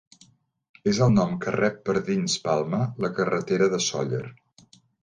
És el nom que rep per dins Palma la carretera de Sóller.